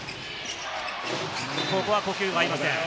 ここは呼吸が合いません。